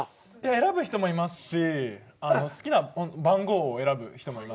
選ぶ人もいますし好きな番号を選ぶ人もいますね。